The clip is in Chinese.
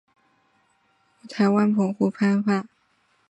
乾隆十四年上任台湾澎湖通判。